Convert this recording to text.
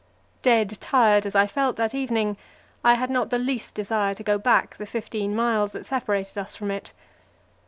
Dead tired as I felt that evening, I had not the least desire to go back the fifteen miles that separated us from it.